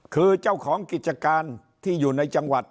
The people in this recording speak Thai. คือเจ้าของกิจการที่อยู่ในจังหวัด